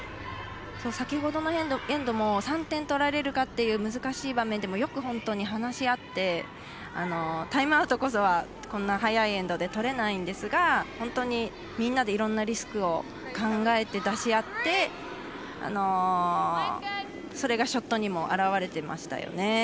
先ほどのエンドも３点取られるかという難しい場面でも、よく本当に話し合って、タイムアウトこそはこんな早いエンドでとれないんですが本当にみんなでいろんなリスクを考えて出し合って、それがショットにも表れてましたよね。